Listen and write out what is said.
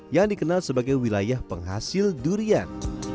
yang dikenal sebagai wilayah penghasil durian